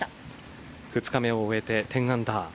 ２日目を終えて１０アンダー。